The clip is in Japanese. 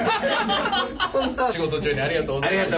仕事中にありがとうございました。